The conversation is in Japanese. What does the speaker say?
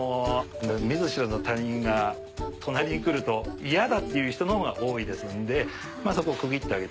見ず知らずの他人が隣に来ると嫌だっていう人の方が多いですんでそこを区切ってあげた。